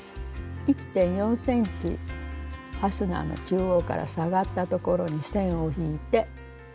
１．４ｃｍファスナーの中央から下がったところに線を引いて。